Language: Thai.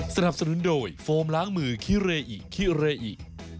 สนับสนุนโดยโฟมล้างมือคิเรอิคิเรอิ